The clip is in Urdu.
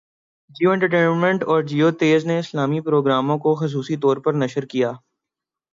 جیو انٹر ٹینمنٹ اور جیو تیز نے اسلامی پروگراموں کو خصوصی طور پر نشر کیا